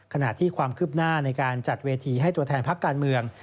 ขณะที่ความคืบหน้าในการจัดเวทีให้ตัวแทนพักการเมือง